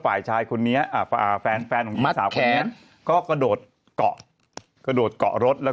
ฝ่ายชายคนนี้แฟนแฟนของม้าสาวแค้นก็กระโดดเกาะกระโดดเกาะรถแล้ว